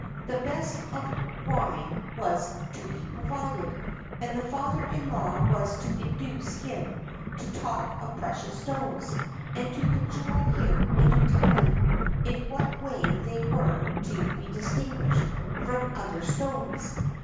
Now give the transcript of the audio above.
The best of wine was to be provided, and the father in law was to induce him to talk of precious stones, and to cajole him into telling in what way they were to be distinguished from other stones.